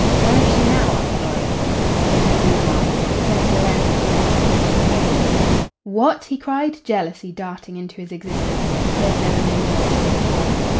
"Where is she now?" asked Lorry. "In her boudoir. The Prince Lorenz is with her alone." "What!" he cried, jealousy darting into his existence. He had never known jealousy before.